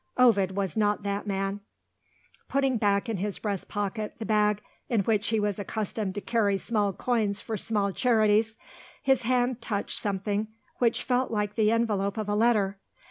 Ovid was not that man. Putting back in his breast pocket the bag in which he was accustomed to carry small coins for small charities, his hand touched something which felt like the envelope of a letter.